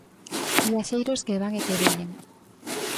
Viaxeiros que van e que veñen.